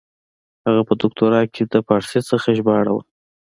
هغه په دوکتورا کښي د پاړسي څخه ژباړه وه.